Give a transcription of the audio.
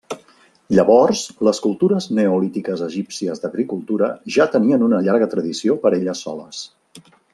Llavors les cultures neolítiques egípcies d'agricultura ja tenien una llarga tradició per elles soles.